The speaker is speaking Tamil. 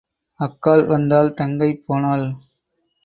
அக்காள் வந்தாள் தங்கை போனாள்.